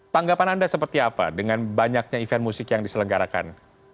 tanggapan anda seperti apa dengan banyaknya event musik yang diselenggarakan